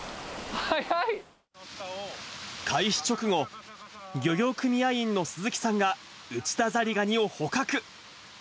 開始直後、漁業組合員の鈴木さんが、ウチダザリガニを捕獲。